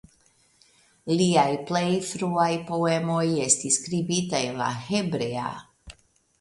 Liaj plej fruaj poemoj estis skribita en la hebrea.